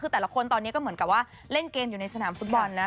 คือแต่ละคนตอนนี้ก็เหมือนกับว่าเล่นเกมอยู่ในสนามฟุตบอลนะ